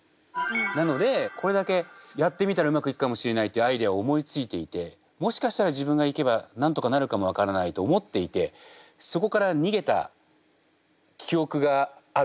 なのでこれだけやってみたらうまくいくかもしれないというアイデアを思いついていてもしかしたら自分が行けばなんとかなるかも分からないと思っていてそこから逃げた記憶がある人生。